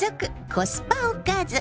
コスパおかず。